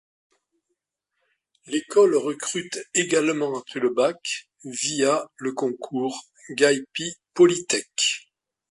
L'école recrute également après le bac via le concours Geipi Polytech.